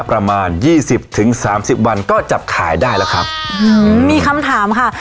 ประมาณยี่สิบถึงสามสิบวันก็จับขายได้แล้วครับอืมมีคำถามค่ะ